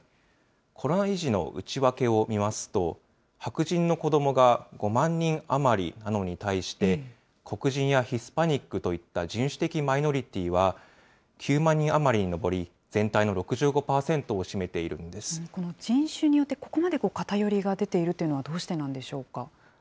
コロナ遺児の内訳を見ますと、白人の子どもが５万人余りなのに対して、黒人やヒスパニックといった人種的マイノリティーは９万人余りに上り、全体の６５％を占めこの人種によって、ここまで偏りが出ているというのは、どうしてなんでしょうか。